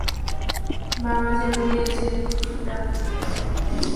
বাবা যে বলিয়াছেন, ওটা আমাকে দেবেন।